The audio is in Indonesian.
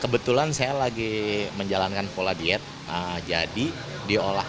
kebetulan saya lagi menjalankan pola diet jadi diolah